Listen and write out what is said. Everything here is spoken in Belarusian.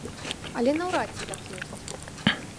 Але наўрад ці так ёсць.